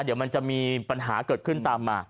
เดี๋ยวมันจะมีปัญหาเกิดขึ้นตามมา